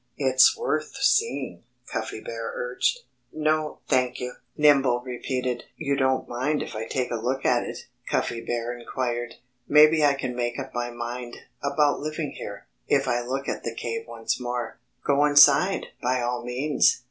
"It's worth seeing," Cuffy Bear urged. "No, thank you!" Nimble repeated. "You don't mind if I take a look at it?" Cuffy Bear inquired. "Maybe I can make up my mind about living here if I look at the cave once more." "Go inside, by all means!"